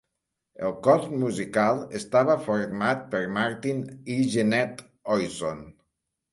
El cor musical estava format per Martin i Jeanette Oison.